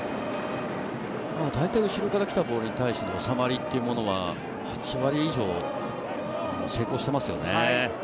大体後ろから来たボールに対して収まりというのは８割以上成功していますよね。